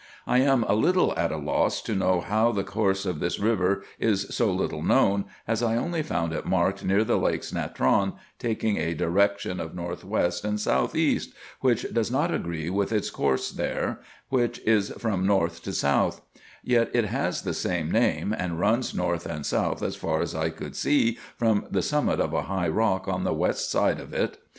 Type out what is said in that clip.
I am a little at a loss to know how the course of this river is so little knoAvn, as I only found it marked near the Lakes Natron, taking a direction of north west and south east, which does not agree with its course here, which is from north to south ; yet it has the same name, and runs north and south as far as I could see from the summit of a high rock on the west side of it.